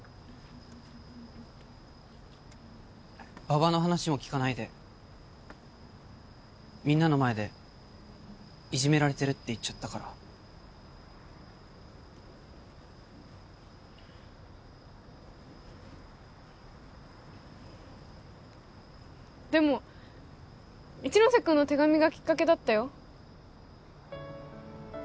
馬場の話も聞かないでみんなの前でいじめられてるって言っちゃったからでも一ノ瀬君の手紙がきっかけだったよ